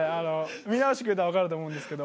見直してくれたらわかると思うんですけど。